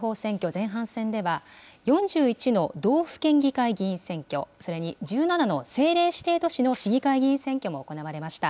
前半戦では、４１の道府県議会議員選挙、それに１７の政令指定都市の市議会議員選挙も行われました。